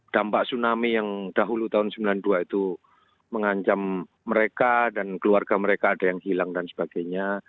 dampak tsunami yang dahulu tahun seribu sembilan ratus sembilan puluh dua itu mengancam mereka dan keluarga mereka ada yang hilang dan sebagainya